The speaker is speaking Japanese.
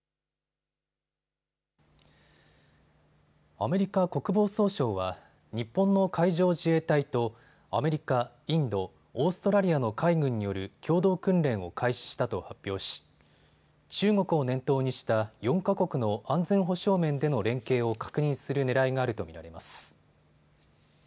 アメリカ国防総省は日本の海上自衛隊とアメリカ、インド、オーストラリアの海軍による共同訓練を開始したと発表し中国を念頭にした４か国の安全保障面での連携を確認するねらいがあると見られます。